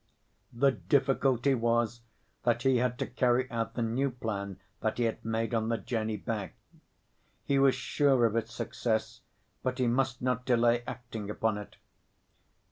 The difficulty was that he had to carry out the new plan that he had made on the journey back. He was sure of its success, but he must not delay acting upon it.